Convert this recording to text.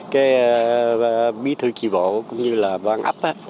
cái bí thư tri bộ cũng như là ban ấp